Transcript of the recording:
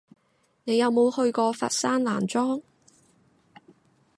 你有冇去過佛山南莊？